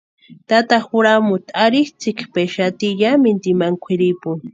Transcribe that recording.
Tata juramuti arhitsʼïkpexati yámintu imani kwʼiripuni.